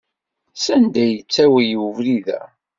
Sanda ay yettawey webrid-a?